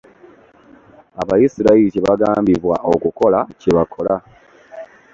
abaserikale kye bagambibwa okukola kye bakola